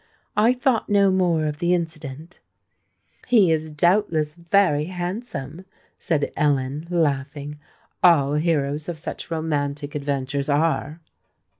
I thought no more of the incident——" "He is doubtless very handsome," said Ellen, laughing. "All heroes of such romantic adventures are."